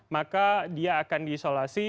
maka dia akan diisolasi